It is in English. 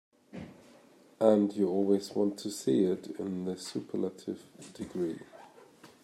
And you always want to see it in the superlative degree.